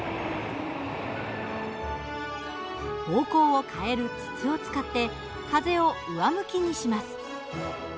方向を変える筒を使って風を上向きにします。